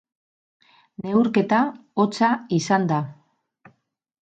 Neurketa hotza izan da.